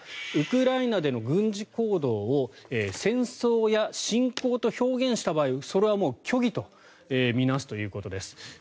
ウクライナの軍事行動を戦争や侵攻と表現した場合それはもう虚偽と見なすということです。